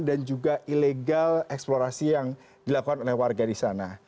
dan juga ilegal eksplorasi yang dilakukan oleh warga di sana